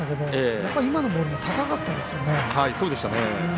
やっぱり今のボールも高かったですね。